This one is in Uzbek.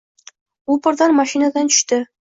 U birdan mashinadan tushdi.